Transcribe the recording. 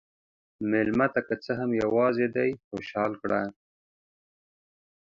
مېلمه ته که څه هم یواځې دی، خوشحال کړه.